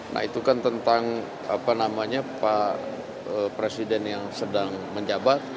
nah itu kan tentang apa namanya pak presiden yang sedang menjabat